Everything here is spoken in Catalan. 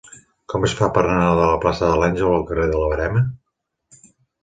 Com es fa per anar de la plaça de l'Àngel al carrer de la Verema?